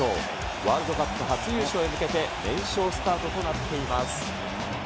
ワールドカップ初優勝へ向けて、連勝スタートとなっています。